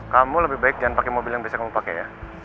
kamu lebih baik jangan pake mobil yang bisa kamu pake ya